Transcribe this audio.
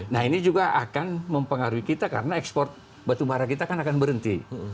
nah ini juga akan mempengaruhi kita karena ekspor batu bara kita akan berhenti